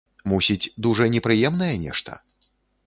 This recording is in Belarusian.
Мусіць, дужа непрыемнае нешта?